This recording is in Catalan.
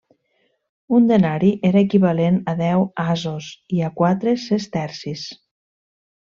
Un denari era equivalent a deu asos i a quatre sestercis.